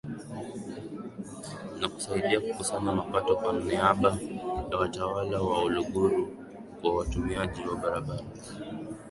na kusaidia kukusanya mapato kwa niaba ya Watawala wa Uluguru kwa watumiaji wa barabara